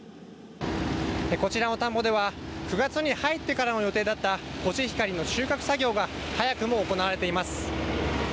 こちらの田んぼでは９月に入ってからの予定だったコシヒカリの収穫作業が早くも行われています。